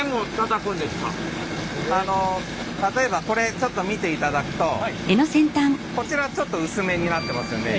例えばこれちょっと見ていただくとこちらちょっと薄めになってますよね。